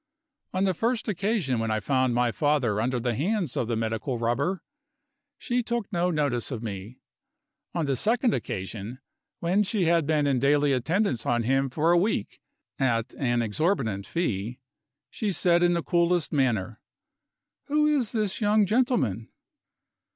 On the first occasion when I found my father under the hands of the Medical Rubber, she took no notice of me. On the second occasion when she had been in daily attendance on him for a week, at an exorbitant fee she said in the coolest manner: "Who is this young gentleman?"